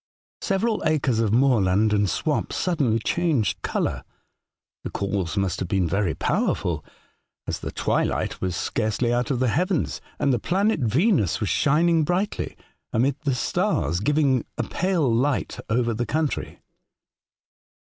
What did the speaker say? Several acres of moorland and swamp suddenly changed colour. The cause must have been very powerful, as the twilight was scarcely out of the heavens, and the planet Venus was shining brightly amid the stars, giv ing a pale light over the country.